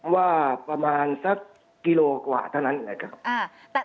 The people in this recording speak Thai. ว่าประมาณสักกิโลกว่าเท่านั้นแหละครับ